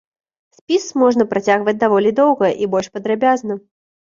Спіс можна працягваць даволі доўга і больш падрабязна.